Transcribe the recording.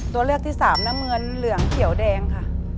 ตัวเลือกที่สามน้ำเงินเหลืองเขียวแดงค่ะ